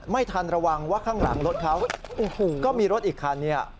ไม่ทันระวังว่าข้างหลังรถเขาก็มีรถอีกคันเนี่ย